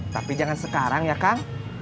tapi jangan sekarang ya kang